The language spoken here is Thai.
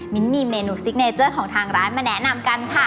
มีเมนูซิกเนเจอร์ของทางร้านมาแนะนำกันค่ะ